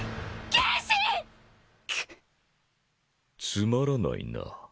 つまらないな。